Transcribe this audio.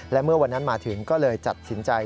และเมื่อวันนั้นมาถึงก็เลยตัดสินใจ